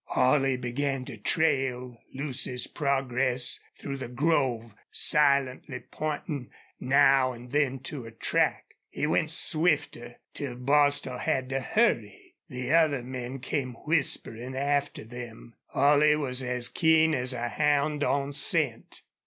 Holley began to trail Lucy's progress through the grove, silently pointing now and then to a track. He went swifter, till Bostil had to hurry. The other men came whispering after them. Holley was as keen as a hound on scent.